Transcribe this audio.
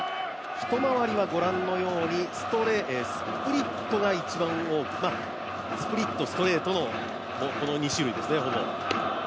１周りはご覧のようにスプリットが一番多い、スプリット、ストレートのこの２種類ですね、ほぼ。